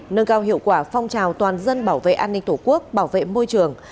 nâng cao hiệu quả phong trào toàn dân bảo vệ an ninh tổ quốc bảo vệ môi trường